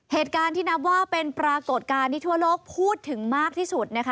เหตุการณ์ที่นับว่าเป็นปรากฏการณ์ที่ทั่วโลกพูดถึงมากที่สุดนะคะ